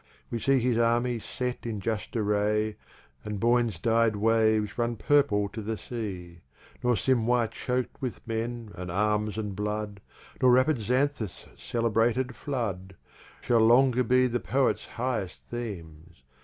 We see his Army set in just Array, And Boine's Di'd Waves run purple to the Sea. Nor Simois chok'd with men, and Arms, and Blood; Nor rapid Xanthus' celebrated Flood: Shall longer be the Poet's highest Themes.